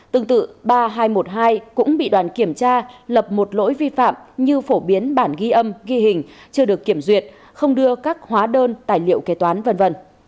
tương tự ba nghìn hai trăm một mươi hai cũng bị đoàn kiểm tra lập một lỗi vi phạm như phổ biến bản ghi âm ghi hình chưa được kiểm duyệt không đưa các hóa đơn tài liệu kế toán v v